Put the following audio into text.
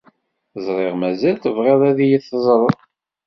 Ẓriɣ mazal tebɣid ad iyi-teẓred.